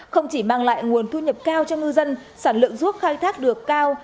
không chỉ mang lại nguồn thu nhập cao cho ngư dân sản lượng ruốc khai thác được cao